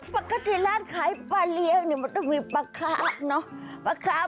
ปราคาที่ร้านขายปลาเลี้ยงมันต้องมีปลาค้าเนาะ